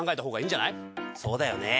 そうだよね。